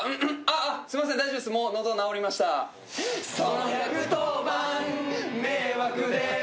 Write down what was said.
その１１０番迷惑です